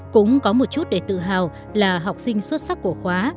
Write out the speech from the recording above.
cũng có một chút để tự hào là học sinh xuất sắc của khóa